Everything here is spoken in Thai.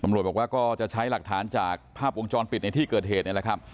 บอกว่าก็จะใช้หลักฐานจากภาพวงจรปิดในที่เกิดเหตุนี่แหละครับ